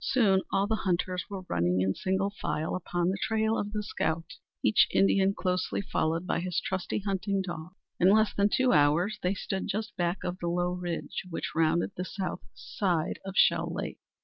Soon all the hunters were running in single file upon the trail of the scout, each Indian closely followed by his trusty hunting dog. In less than two hours they stood just back of the low ridge which rounded the south side of Shell Lake.